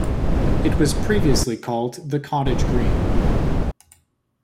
It was previously called "The Cottage Green".